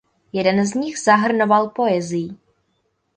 Jeden z nich zahrnoval poezii.